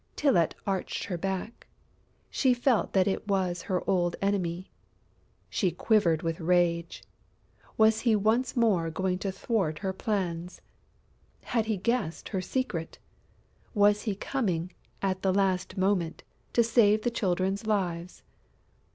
Tylette arched her back: she felt that it was her old time enemy. She quivered with rage: was he once more going to thwart her plans? Had he guessed her secret? Was he coming, at the last moment, to save the Children's lives?